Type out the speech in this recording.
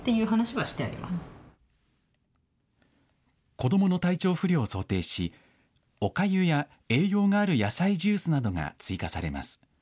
子どもの体調不良を想定しおかゆや栄養がある野菜ジュースなどが追加されます。